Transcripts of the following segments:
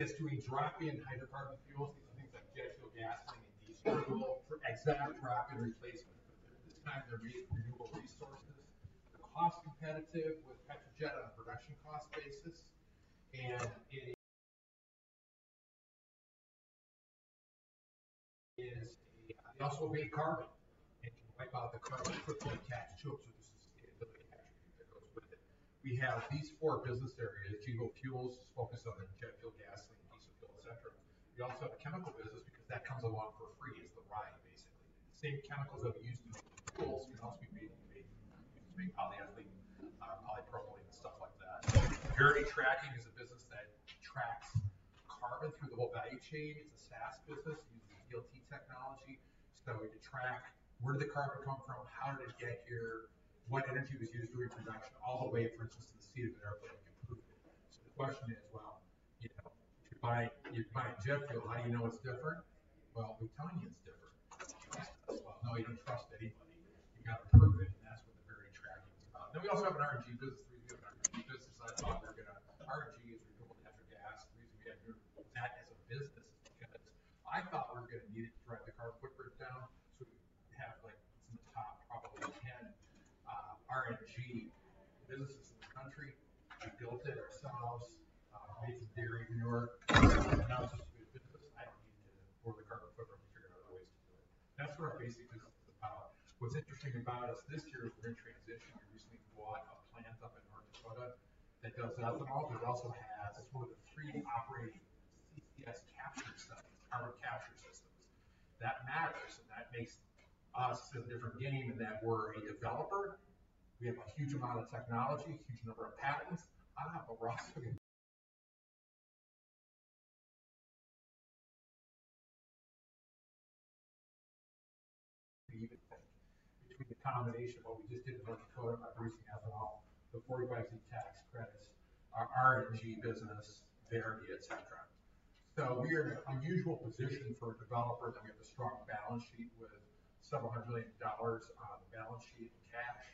Just doing drop-in hydrocarbon fuels, these are things like jet fuel, gasoline, and diesel. We'll exact drop-in replacement, but at this time they're using renewable resources. They're cost competitive with petro-jet on a production cost basis, and it is they also will be carbon. They can wipe out the carbon quickly and. We have these four business areas: fuels, focus on the jet fuel, gasoline, diesel fuel, etc. We also have a chemical business because that comes along for free; it's the ride, basically. Same chemicals that we use to make fuel can also be made to. Security tracking is a business that tracks carbon through the whole value chain. It's a SaaS business. We use ELT technology, so you track where did the carbon come from, how did it get here, what energy was used during production, all the way, for instance, to the seat of an airplane to prove it. The question is, well, you buy jet fuel, how do you know it's different? We're telling you. We also have an RNG business. RNG is renewable natural gas. The reason we have that as a business is because I thought we were going to need it to drive the carbon footprint down, so we have some of the top, probably RNG businesses. That is where our basic business is about. What is interesting about us this year is we are in transition. We recently bought a plant up in North Dakota that does ethanol. It also has—it is one of the three operating CCS capture systems, carbon capture systems. That matters, and that makes us a different game in that we are a developer. We have a huge amount of technology, a huge number of patents. combination of what we just did in North Dakota by producing ethanol, the 45Z tax credits, our RNG business, etc. We are in an unusual position for a developer that we have a strong balance sheet with several hundred million dollars on the balance sheet in cash,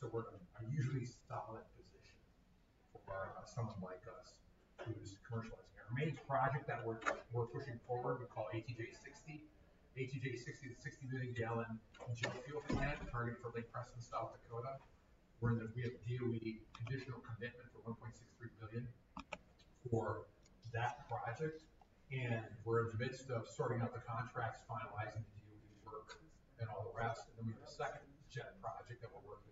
and we are in an unusually solid position for someone like us who's commercializing it. Our main project that we're pushing forward, we call ATJ-60. ATJ-60 is a 60-million-gallon jet fuel plant targeted for Lake Preston, South Dakota. We have a DOE conditional commitment for $1.63 million for that project, and we're in the midst of sorting out the contracts, finalizing the, and all the rest. We have a second jet project that we're working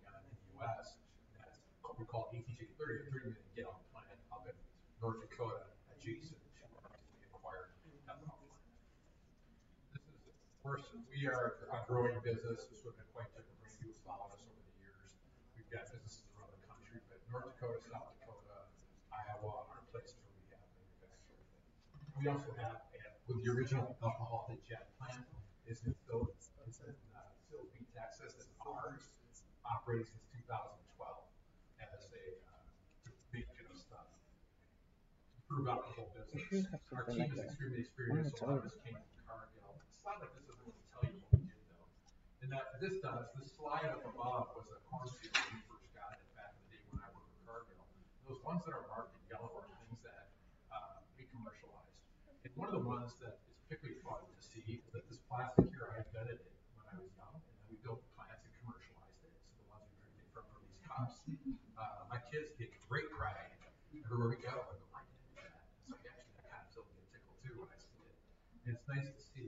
on in the US, and that's what we call ATJ-30, a 30-million-gallon plant up in North Dakota adjacent. This is, of course, we are a growing business. North Dakota. We also have, with the original alcohol jet plant, an oil feed tank system in ours, operating since 2012. Our team is extremely experienced. A lot of this came from Cargill. It's not like this doesn't really tell you what we did, though. This does. This slide up above was a cornfield. One of the ones that is particularly fun to see is that this plastic here, I invented it when I was young, and then we built plants and commercialized it. The ones we drink from are from these cups. My kids get great crying everywhere we go, and they're like, "I didn't do that." That kind of filled me a tickle, too, when I see it. It's nice to see.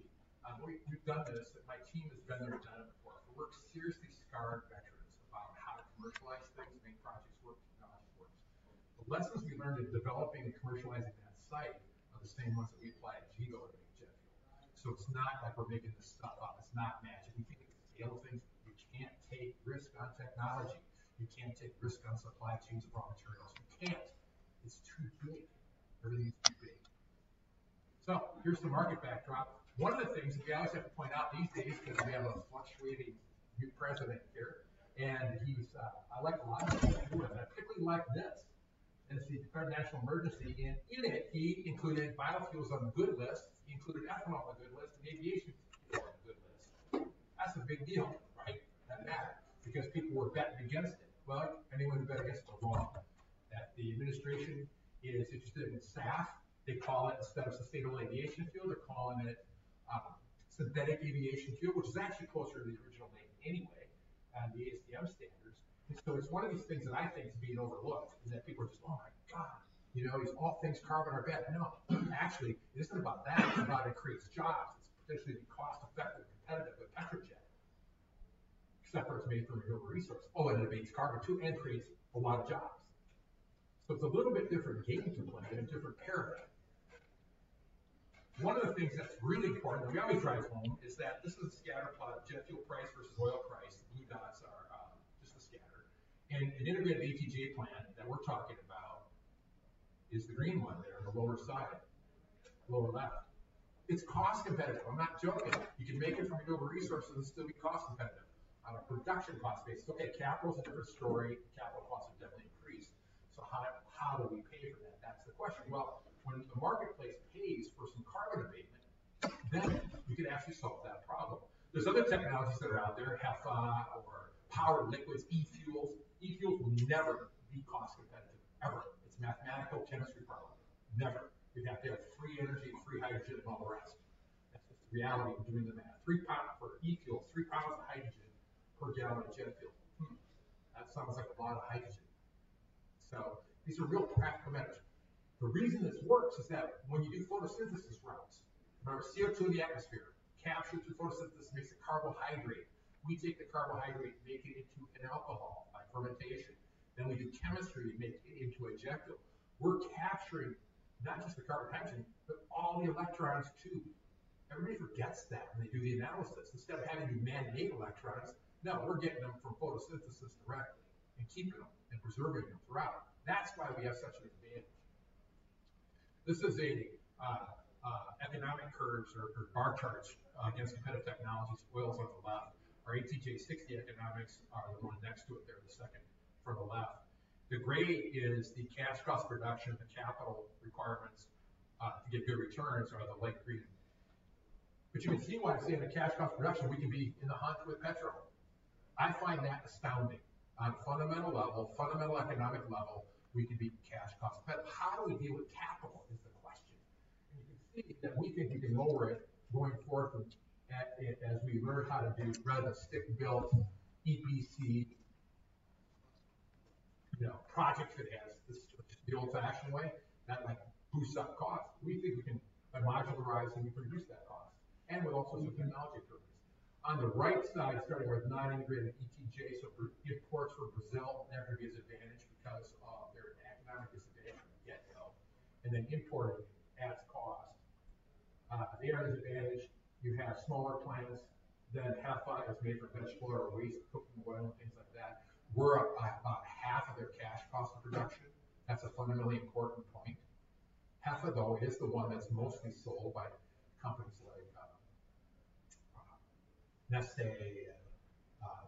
We've done this. My team has been there and done it before. We've worked with seriously scarred veterans about how to commercialize things, make projects work, technology works. The lessons we learned in developing and commercializing that site are the same ones that we apply to diesel and jet fuel. It's not like we're making this stuff up. It's not magic. We can't scale things. You can't take risk on technology. You can't take risk on supply chains of raw materials. You can't. It's too big. Everything's too big. Here is the market backdrop. One of the things that we always have to point out these days, because we have a fluctuating new president here, and he's—I like a lot of things he's doing. I particularly like this. It is, and in it, he included biofuels on the good list. He included ethanol on the good list, and aviation fuel on the good list. That's a big deal, right? That matters, because people were betting against it. Anyone who bet against it will run. The administration is interested in SAF. They call it, instead of sustainable aviation fuel, they're calling it synthetic aviation fuel, which is actually closer to the original name anyway, the ASTM standards. It's one of these things that I think is being overlooked, is that people are just, "Oh my God, all things carbon are bad." No, actually, it isn't about that. It's about it creates jobs. It's potentially cost-effective and competitive with petro-jet except for it's made from renewable resources. Oh, and it abates carbon, too, and creates a lot of jobs. It's a little bit different game to play in a different paradigm. One of the things that's really important that we always drive home is that this is a scatter plot of jet fuel price versus oil price. The blue dots are just the scatter. An integrated ATJ plant that we're talking about is the green one there on the lower side, lower left. It's cost competitive. I'm not joking. You can make it from renewable resources and still be cost competitive on a production cost basis. Okay, capital's a different story. Capital costs have definitely increased. How do we pay for that? That's the question. When the marketplace pays for some carbon abatement, then we can actually solve that problem. There are other technologies that are out there, HEFA or power-to-liquids, e-fuels. E-fuels will never be cost competitive, ever. It's a mathematical chemistry problem. Never. We have to have free energy and free hydrogen while we're asking. That's just the reality of doing the math. 3 lbs for e-fuels, 3 lbs of hydrogen per gallon of jet fuel. That sounds like a lot of hydrogen. These are real practical methods. The reason this works is that when you do photosynthesis routes, remember, CO2 in the atmosphere captured through photosynthesis makes a carbohydrate. We take the carbohydrate, make it into an alcohol by fermentation. Then we do chemistry and make it into a jet fuel. We're capturing not just the carbon hydrogen, but all the electrons, too. Everybody forgets that when they do the analysis. Instead of having to man-made electrons, no, we're getting them from photosynthesis directly and keeping them and preserving them throughout. That's why we have such an advantage. This is an economic curve or bar chart against competitive technologies. Oil's on the left. Our ATJ-60 economics are the one next to it. They're the second from the left. The gray is the cash cost production, the capital requirements to get good returns are the light green. But you can see why I'm saying the cash cost production, we can be in the hunt with petrol. I find that astounding. On a fundamental level, fundamental economic level, we can be cash cost competitive. How do we deal with capital is the question. You can see that we think we can lower it going forward as we learn how to do rather than stick-built EPC projects that have this old-fashioned way that boosts up cost. We think we can by modularizing, we can reduce that cost, and with all sorts of technology approaches. On the right side, starting with non-integrated ATJ, so imports from Brazil, they have to be at an advantage because of their economic disadvantage from jet fuel. Importing adds cost. They are at an advantage. You have smaller plants. Then HEFA is made from vegetable oil or waste cooking oil, things like that. We are about half of their cash cost of production. That is a fundamentally important point. HEFA, though, is the one that's mostly sold by companies like Neste,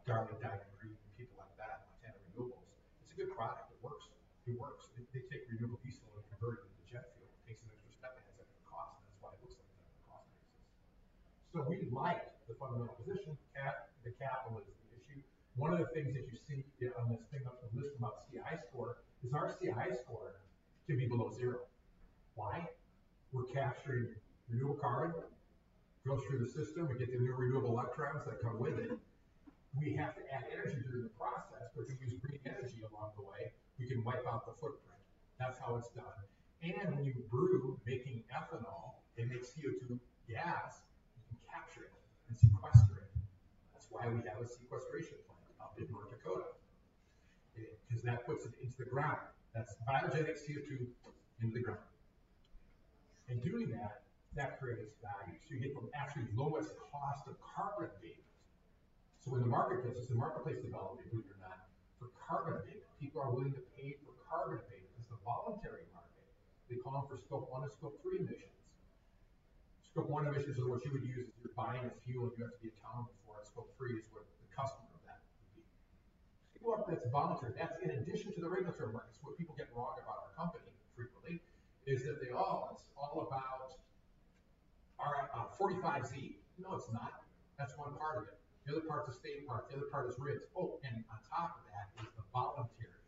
Cargill, Diamond Green, and people like that, Montana Renewables. It's a good product. It works. It works. They take renewable diesel and convert it into jet fuel. It takes an extra step and adds extra cost. That's why it looks like that on the cost basis. We like the fundamental position. The capital is the issue. One of the things that you see on this thing up in the list about CI score is our CI score can be below zero. Why? We're capturing renewable carbon. It goes through the system. We get the new renewable electrons that come with it. We have to add energy during the process, but if we use green energy along the way, we can wipe out the footprint. That's how it's done. When you brew, making ethanol, they make CO2 gas. You can capture it and sequester it. That's why we have a sequestration plant up in North Dakota, because that puts it into the ground. That's biogenic CO2 into the ground. Doing that creates value. You get the absolute lowest cost of carbon abatement. When the market gets this, the marketplace development, believe it or not, for carbon abatement, people are willing to pay for carbon abatement. It's a voluntary market. They call them for scope one and scope three emissions. Scope one emissions are what you would use if you're buying a fuel and you have to be a town before it. Scope three is what the customer of that would be. Look, that's voluntary. That's in addition to the regulatory market. It's what people get wrong about our company frequently, is that they all, it's all about our 45Z. No, it's not. That's one part of it. The other part's a state part. The other part is RINs. Oh, and on top of that is the voluntary.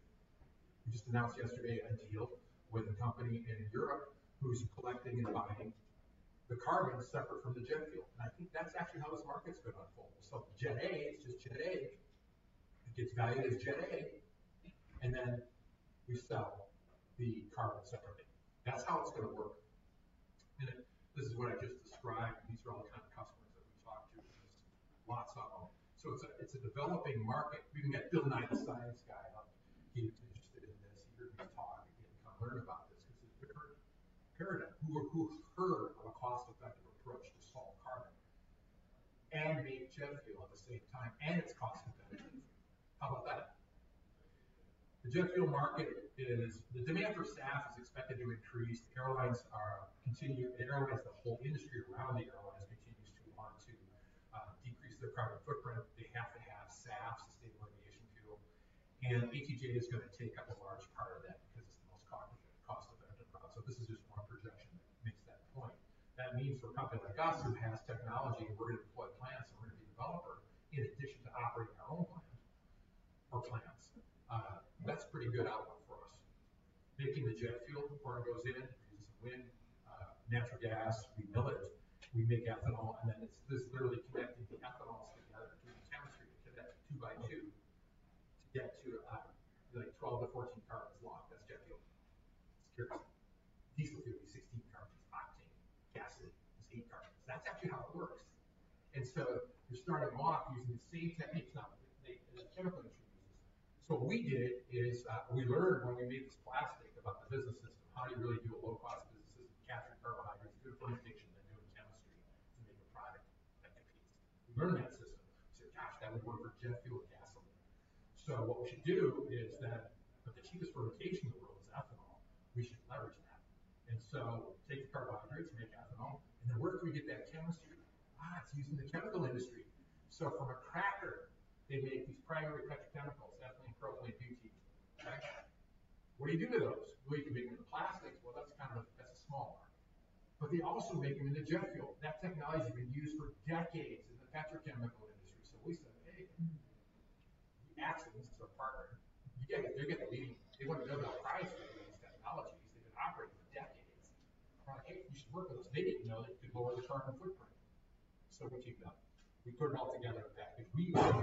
We just announced yesterday a deal with a company in Europe who's collecting and buying the carbon separate from the jet fuel. I think that's actually how this market's going to unfold. We sell the Jet A. It's just Jet A. It gets valued as Jet A. Then we sell the carbon separately. That's how it's going to work. This is what I just described. These are all the kind of customers that we talked to, just lots of them. It's a developing market. We even got Bill Nye the science guy up. He's interested in this. He heard me talk. He didn't come learn about this because it's a different paradigm. Who heard of a cost-effective approach to solve carbon and make jet fuel at the same time and it's cost-effective? How about that? The jet fuel market is the demand for SAF is expected to increase. The airlines continue—the airlines, the whole industry around the airlines continues to want to decrease their carbon footprint. They have to have SAF, sustainable aviation fuel. ATJ is going to take up a large part of that because it's the most cost-effective route. This is just one projection that makes that point. That means for a company like us who has technology, we're going to deploy plants. We're going to be a developer in addition to operating our own plant or plants. That's a pretty good outlook for us. Making the jet fuel, the car goes in, uses some wind, natural gas, we mill it, we make ethanol, and then it's literally connecting the ethanols together through chemistry to connect two by two to get to like 12 to 14 carbons locked. That's jet fuel. It's curious. Diesel fuel is 16 carbons. Octane gas is eight carbons. That's actually how it works. You're starting them off using the same techniques, not the chemical that you use. What we did is we learned when we made this plastic about the business system, how do you really do a low-cost We learned that system. We said, "Gosh, that would work for jet fuel gasoline." What we should do is then, but the cheapest fermentation in the world is ethanol. We should leverage that. And so take the carbohydrates, make ethanol, and then where can we get that chemistry? It's using the chemical industry. So from a cracker, they make these primary petrochemicals, ethylene and propylene butane. Okay? What do you do with those? Well, you can make them into plastics. That's kind of a—that's a small market. But they also make them into jet fuel. That technology has been used for decades in the petrochemical industry. So we said, "Hey, the Axens are partner." You get it. They're getting the lead. They want to know about the price of these technologies. They've been operating for decades. We're like, "Hey, you should work with us." They didn't know that you could lower the carbon footprint. So what you've done, we put it all together in a package. We use the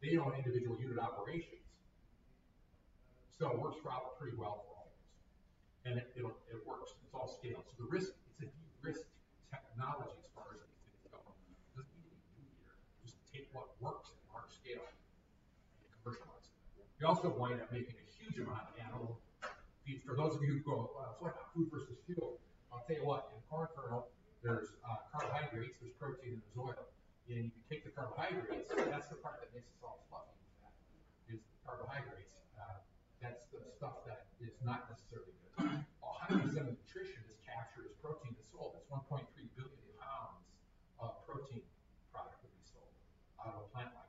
overall plant designs. They own individual unit operations. It works pretty well for all of us. It works. It's all scale. The risk, it's a de-risked technology commercialize it. We also wind up making a huge amount of animal feed. For those of you who go, "Well, it's like food versus fuel," I'll tell you what. In corn kernel, there's carbohydrates, there's protein, and there's oil. You can take the carbohydrates—that's the part that makes us all fluffy with that—is the carbohydrates. That's the stuff that is not necessarily good. All high percent of nutrition is captured as protein to soil. That's 1.3 billion lbs of protein product to be sold paradigm.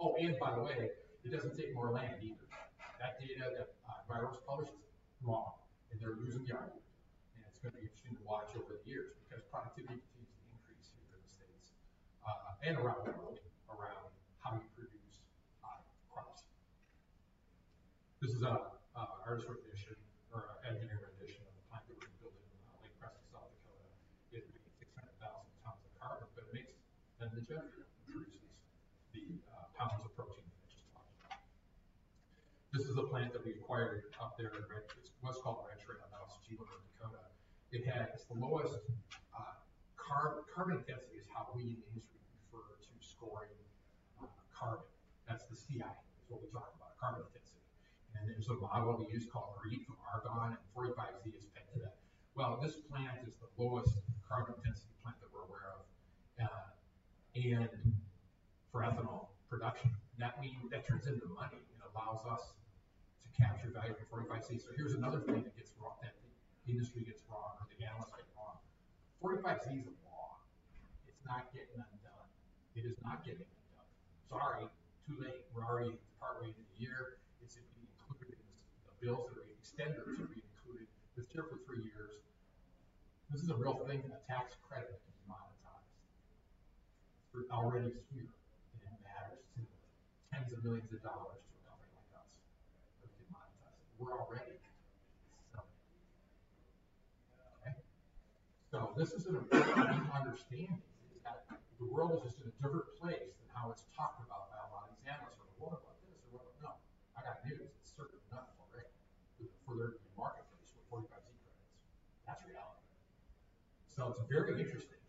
Oh, and by the way, it doesn't take more land either. That data that Barron's published is wrong. They're losing the argument. It's going to be interesting to watch over the years because productivity continues to increase here in the States and around the world around how you produce crops. This is our sort of edition or engineering rendition of the plant that we're building in Lake Preston, South Dakota. It made 600,000 tons of carbon, but it makes—and the jet fuel produces the pounds of protein that I just talked about. This is a plant that we acquired up there in Richardton. It's what's called Richardton right on the house of, North Dakota. It has the lowest carbon intensity is how we in the industry refer to scoring carbon. That's the CI. That's what we talk about, carbon intensity. There's a model we use called GREET from Argonne, and 45Z is pegged to that. This plant is the lowest carbon intensity plant that we're aware of. For ethanol production, that means that turns into money and allows us to capture value from 45Z. Here's another thing that the industry gets wrong or the analysts get wrong. 45Z is a law. It's not getting undone. It is not getting undone. Sorry, too late. We're already partway into the year. It's included in the bills that are extended to be included with jet fuel for three years. This is a real thing and a tax credit that can be monetized. We're already here. This is an important understanding. The world is just in a different place than how it's talked about by a lot of these analysts. We're like, "What about this?" or, "No, I got news." It's certainly not correct for their marketplace with 45Z credits. That's reality. It is very interesting.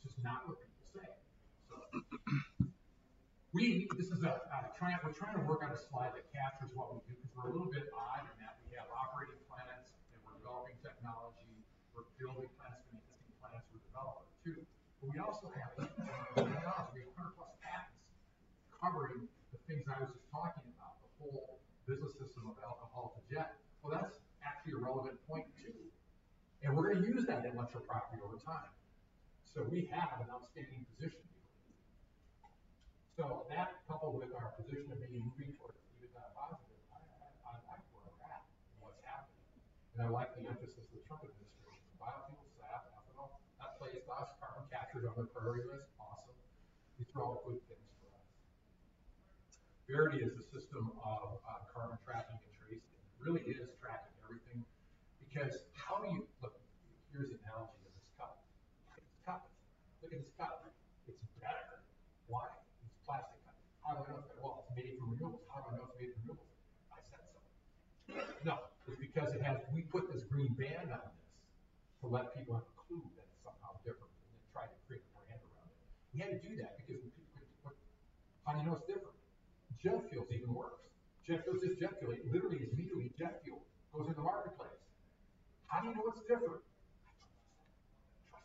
It's just not what people say. This is a—we're trying to work on a slide that captures what we do because we're a little bit odd in that we have operating plants and we're developing technology. We're building plants. We're investing in plants. We're a developer, too. We also have—we have 100+ patents covering the things I was just talking about, the whole business system of alcohol to jet. That is actually a relevant point too. We're going to use that intellectual property over time. We have an outstanding position. I like the emphasis of the Trump administration. These are all good things for us. Verity is the system of carbon tracking and tracing. It really is tracking everything because how do you—look, here's the analogy of this cup. Look at this cup. Look at this cup. It's better. Why? It's plastic cup. How do I know it's made from renewables? How do I know it's made from renewables? I said so. No, it's because it has—we put this green band on this to let people have a clue that it's somehow different and then try to create a brand around it. We had to do that because when people get to—how do you know it's different? Jet fuel is even worse. Jet fuel is just jet fuel. It literally is legally jet fuel. It goes into the marketplace. How do you know it's different? Trust me.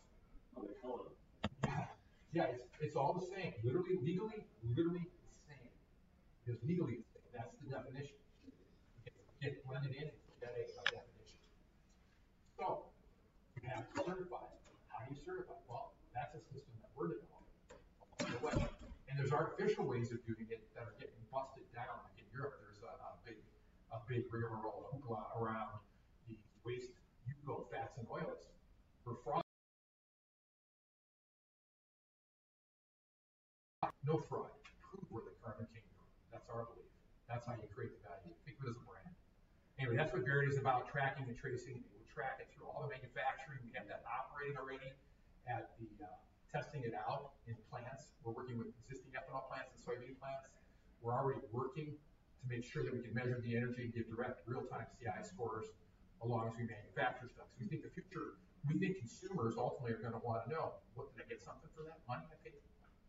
Oh, they're colored. Yeah. It's all the same. Literally, legally, literally the same. It's legally the same. That's the definition. There are artificial ways of doing it that are getting busted down. In Europe, there's a big rigmarole hoopla around the waste you go fats and oils. No fraud. Prove where the carbon came from. That's our belief. That's how you create the value. Think of it as a brand. Anyway, that's what Verity is about, tracking and tracing. We're tracking through all the manufacturing. We have that operating already at the testing it out in plants. We're working with existing ethanol plants and soybean plants. We're already working to make sure that we can measure the energy and give direct real-time CI scores along as we manufacture stuff. We think the future—we think consumers ultimately are going to want to know, "Well, did I get something for that money I paid?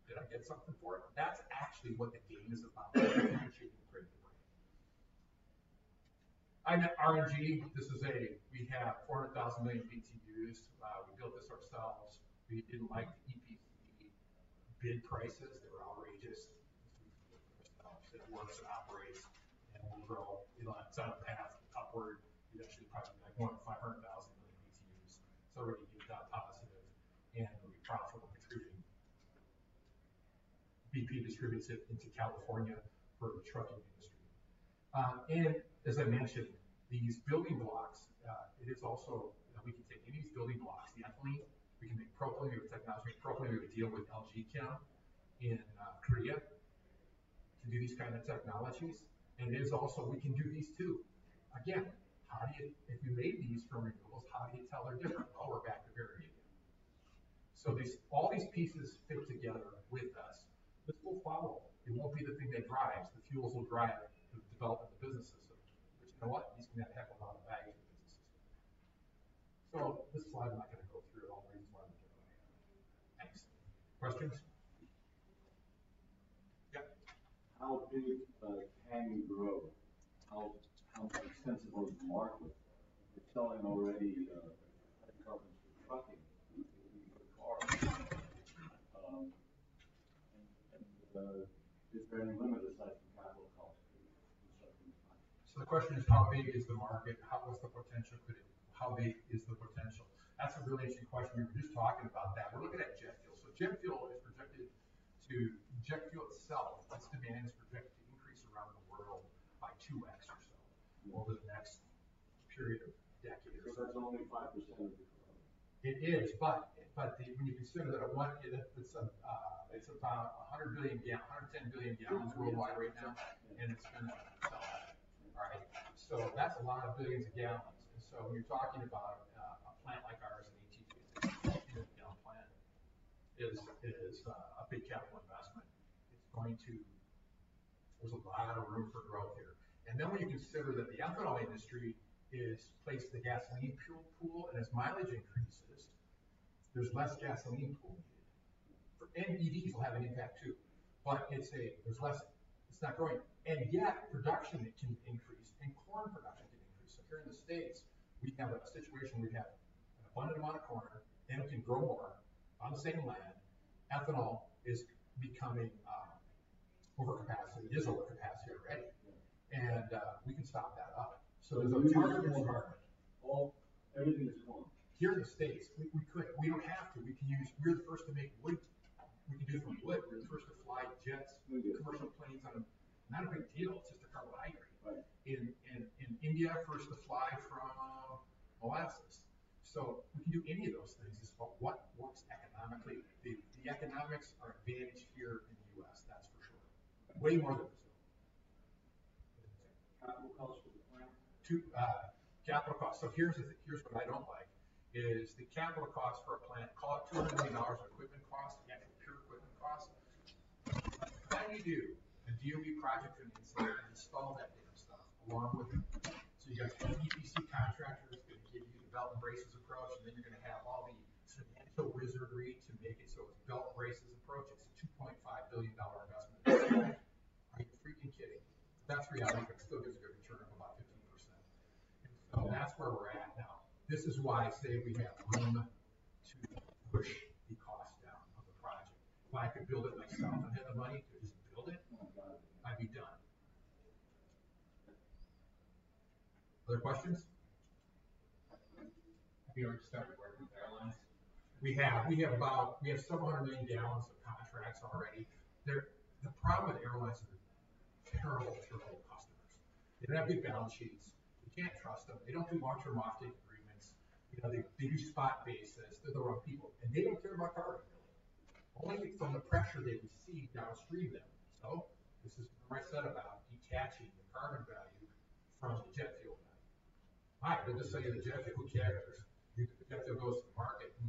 Did I get something for it?" I'm at RNG. This is a—we have 400,000 million BTUs. We built this ourselves. We didn't like the EPC bid prices. They were outrageous. It works and operates. We'll grow—it's on a path upward. We actually probably be like 500,000 million BTUs. It's already EBITDA positive. We profitable contributing. BP distributes it into California for the trucking industry. As I mentioned, these building blocks, it is also—we can take any of these building blocks, the ethylene. We can make propylene with technology. Propylene, we have a deal with LG Chem in Korea to do these kinds of technologies. It is also—we can do these too. Again, how do you—if you made these for renewables, how do you tell they're different? We're back to Verity. All these pieces fit together with us. This will follow. It will not be the thing that drives. The fuels will drive the development of the business system. You know what? These can have a heck of a lot of value to the business system. This slide, I'm not going to go through it. All the reasons why we did it. Thanks. Questions? Yeah. How big can you grow? How extensive are you marketing? You're selling already carbons for trucking, using it for cars. Is there any limit to the size of the capital cost for construction? The question is, how big is the market? What's the potential? How big is the potential? That's a really interesting question. We were just talking about that. We're looking at jet fuel. Jet fuel is projected to—jet fuel itself, its demand is projected to increase around the world by 2x or so over the next period of decades. That's only 5% of the carbon. It is. When you consider that, it's about 110 billion gal worldwide right now. It's going to sell that. All right? That's a lot of billions of gal. When you're talking about a plant like ours, an 18-gal plant, it is a big capital investment. It is going to—there's a lot of room for growth here. When you consider that the ethanol industry is placed in the gasoline fuel pool and its mileage increases, there's less gasoline pool needed. EVs will have an impact too. There's less. It is not growing. Yet, production can increase. Corn production can increase. Here in the States, we have a situation where we have an abundant amount of corn. They can grow more on the same land. Ethanol is becoming overcapacity. It is overcapacity already. We can stop that up. There's a target in the market. All everything is corn. Here in the States, we couldn't. We don't have to. We can use—we're the first to make wood. We can do it from wood. We're the first to fly jets, commercial planes on—not a big deal. It's just a carbohydrate. And India first to fly from molasses. So we can do any of those things. It's about what works economically. The economics are advantaged here in the U.S., that's for sure. Way more than Brazil. Capital cost for the plant. Capital cost. Here's what I don't like. Is the capital cost for a plant—call it $200 million of equipment cost, the actual pure equipment cost. How do you do a DOB project from inside and install that damn stuff along with it? You got an EPC contractor who's going to give you the belt and braces approach, and then you're going to have all the financial wizardry to make it so it's belt and braces approach. It's a $2.5 billion investment. Are you freaking kidding? That's reality. It still gives a good return of about 15%. That is where we're at now. This is why I say we have room. If I could build it myself, if I had the money to just build it, I'd be done. Other questions? Have you already started working with airlines? We have. We have several hundred million gal of contracts already. The problem with airlines is they're terrible with their old customers. They don't have good balance sheets. You can't trust them. They don't do long-term offtake agreements. They do spot bases. They're the wrong people. They don't care about carbon billing. Only from the pressure they receive downstream then. This is what I said about detaching the carbon value from the jet fuel value. Hi, we'll just sell you the jet fuel. We can't get this. The jet fuel goes to the market.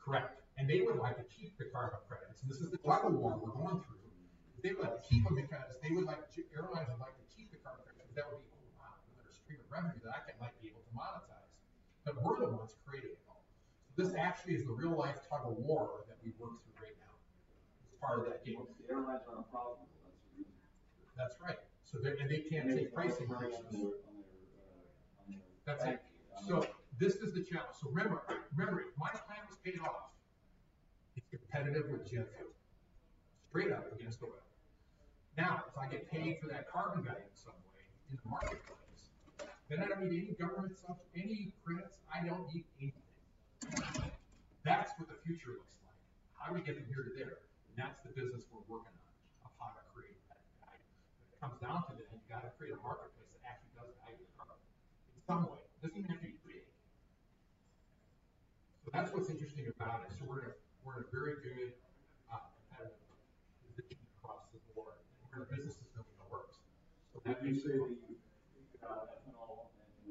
Correct. They would like to keep the carbon credits. This is the tug of war we're going through. might be able to monetize. We're the ones creating it all. This actually is the real-life tug of war that we work through right now. It's part of that game. The airlines aren't profitable. That's the reason. That's right. They can't take pricing on their—that's it. This is the challenge. Remember, my plan was paid off. It's competitive with jet fuel. Straight up against oil. Now, if I get paid for that carbon value in some way in the marketplace, then I don't need any government stuff, any credits. I don't need anything. That's what the future looks like. How do we get from here to there? That's the business we're working on, of how to create that value. It comes down to. That's what's interesting about it. We're in a very good ethanol and a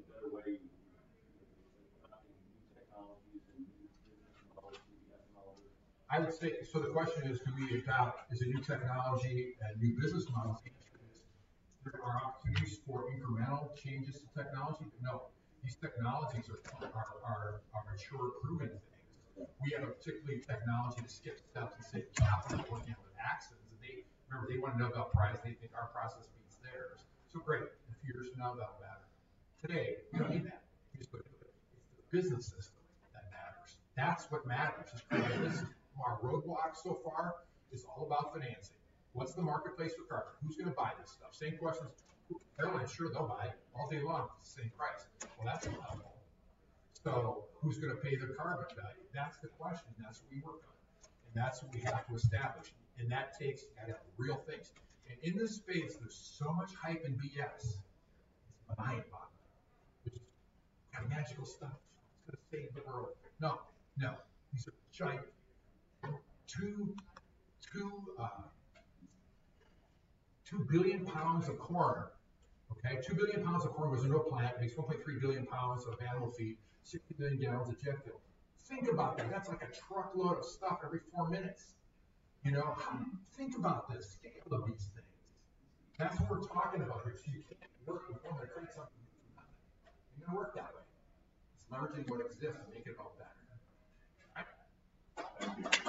better way of developing new technologies. I would say the question is going to be about is a new technology and new business model. Changes is there are opportunities for incremental changes to technology. No, these technologies are mature proven things. We have a particular technology that skips steps and said, "Yeah, we're working on the Axens." Remember, they want to know about price. They think our process beats theirs. Great. In a few years from now, that'll matter. Today, we don't need that. We just go to it. It's the business system that matters. What matters is our roadblock so far is all about financing. What's the marketplace for carbon? Who's going to buy this stuff? Same questions. Airlines, sure, they'll buy it. All day long, it's the same price. That's a hell of a lot. Who's going to pay the carbon value? That's the question. That is what we work on. That is what we have to establish. That takes real things. In this space, there is so much hype and BS. It is mind-boggling. It is kind of magical stuff. It is going to save the world. No. No. These are giant 2 billion lbs of corn. 2 billion lbs of corn goes into a plant. It makes 1.3 billion lbs of animal feed, 60 million gal of jet fuel. Think about that. That is like a truckload of stuff every four minutes. Think about the scale of these things. That is what we are talking about here. You cannot work with them to create something new from nothing. You are going to work that way. It is marketing what exists and make it.